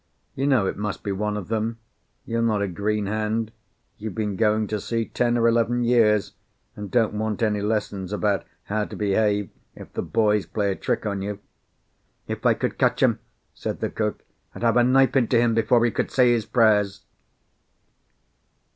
You know it must be one of them. You're not a green hand; you've been going to sea ten or eleven years, and don't want any lessons about how to behave if the boys play a trick on you." "If I could catch him," said the cook, "I'd have a knife into him before he could say his prayers."